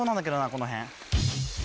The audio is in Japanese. この辺。